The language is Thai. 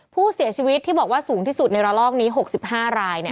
ผู้เสียชีวิตที่บอกว่าสูงที่สุดในระลอกนี้๖๕ราย